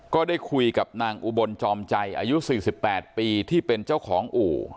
ก็ได้คุยกับนางอุบลจอมใจอายุ๔๘ปีที่เป็นเจ้าของอู่